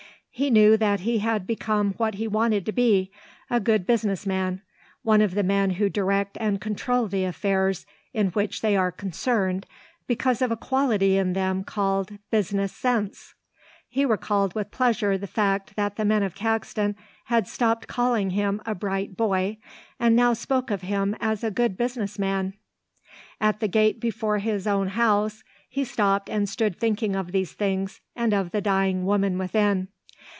He knew that he had become what he wanted to be, a good business man, one of the men who direct and control the affairs in which they are concerned because of a quality in them called Business Sense. He recalled with pleasure the fact that the men of Caxton had stopped calling him a bright boy and now spoke of him as a good business man. At the gate before his own house he stopped and stood thinking of these things and of the dying woman within.